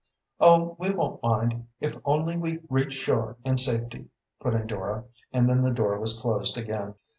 "Oh, we won't mind, if only we reach shore in safety," put in Dora, and then the door was closed again.